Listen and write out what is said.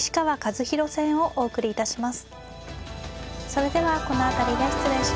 それではこの辺りで失礼します。